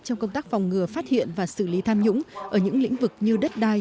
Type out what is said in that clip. trong công tác phòng ngừa phát hiện và xử lý tham nhũng ở những lĩnh vực như đất đai